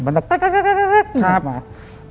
มันก็คราบมา